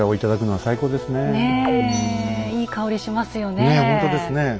ねえいい香りしますよねえ。